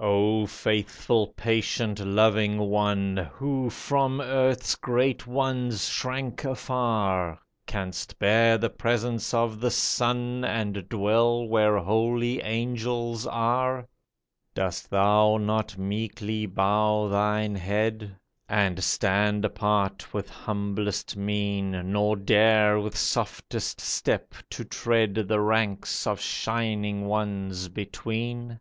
O faithful, patient, loving one, Who from earth's great ones shrank afar, Canst bear the presence of The Son, And dwell where holy angels are ? Dost thou not meekly bow thine head. And stand apart with humblest mien, Nor dare with softest step to tread The ranks of shining Ones between